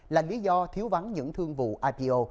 là lý do thiếu bắn những thương vụ ipo